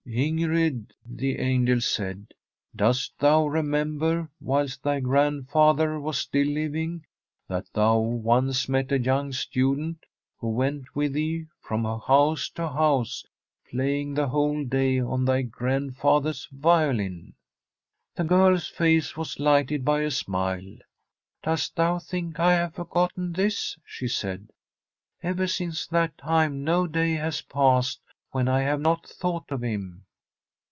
* Ingrid,' the angel said, ' dost thou remember, whilst thy grandfather was still living, that thou once met a young student, who went with thee Frm a SfFEDlSH HOMESTEAD from house to house playing the whole day on thy grandfather's violin ?' The girl's face was lighted by a smile. ' Dost thou think I lutve forgotten this ?' she said. * Ever since that time no day has passed when I have not thought of him.'